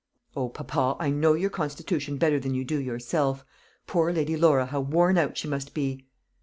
"O, papa, I know your constitution better than you do yourself. Poor Lady Laura, how worn out she must be!"